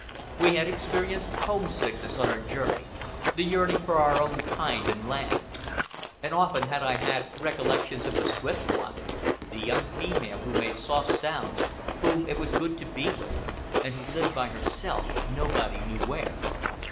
We had experienced homesickness on our journey, the yearning for our own kind and land; and often had I had recollections of the Swift One, the young female who made soft sounds, whom it was good to be with, and who lived by herself nobody knew where.